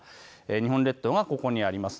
日本列島がここにあります。